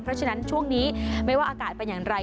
เพราะฉะนั้นช่วงนี้ไม่ว่าอากาศเป็นอย่างไร